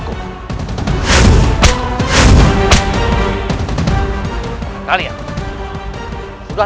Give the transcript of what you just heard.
kata kenapa dengan saya